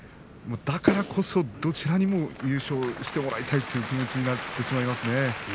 だからこそどちらにも優勝してもらいたいという気持ちになってしまいます。